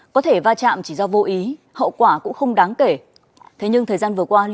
có thể va chạm chỉ do vô ý hậu quả cũng không đáng kể thế nhưng thời gian vừa qua